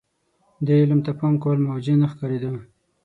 دې علم ته پام کول موجه نه ښکارېده.